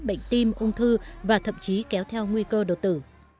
bệnh tim ung thư và thậm chí kéo theo nguy cơ đột tử